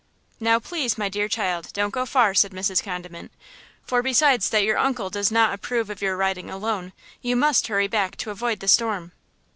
"Now please, my dear child, don't go far," said Mrs. Condiment, "for besides that your uncle does not approve of your riding alone, you must hurry back to avoid the storm."